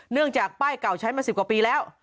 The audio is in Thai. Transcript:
เนื่องจากป้ายเก่าใช้มาสิบกว่าปีแล้ว